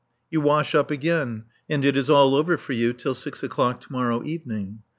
You wash up again and it is all over for you till six o'clock to morrow evening.